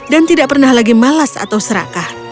dan tidak pernah lagi malas atau serakah